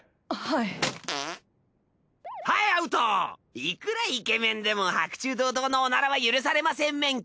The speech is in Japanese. いくらイケメンでも白昼堂々のおならは許されませんめんき。